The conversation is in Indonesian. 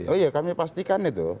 oh iya kami pastikan itu